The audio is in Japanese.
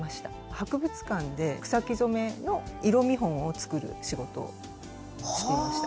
博物館で草木染めの色見本を作る仕事をしていました。